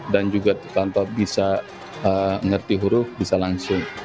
dan juga tanpa bisa mengerti huruf bisa langsung